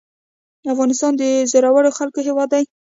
افغانستان د زړورو خلکو هیواد دی